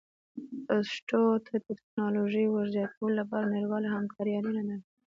پښتو ته د ټکنالوژۍ ور زیاتولو لپاره نړیواله همکاري اړینه ده.